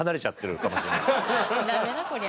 ダメだこりゃ。